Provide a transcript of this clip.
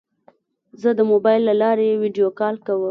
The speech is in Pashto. زه د موبایل له لارې ویدیو کال کوم.